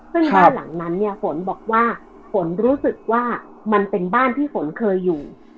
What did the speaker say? ซึ่งบ้านหลังนั้นเนี่ยฝนบอกว่าฝนรู้สึกว่ามันเป็นบ้านที่ฝนเคยอยู่